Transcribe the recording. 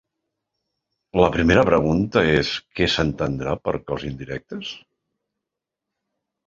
La primera pregunta és què s’entendrà per costs indirectes?